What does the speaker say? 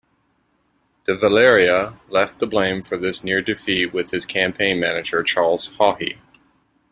De Valera left the blame for this near-defeat with his campaign manager Charles Haughey.